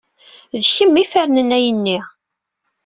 D kenwi ay ifernen ayenni.